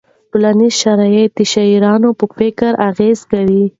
ټولنیز شرایط د شاعرانو په فکر اغېز کوي.